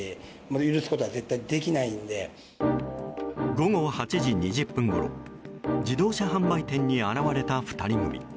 午後８時２０分ごろ自動車販売店に現れた２人組。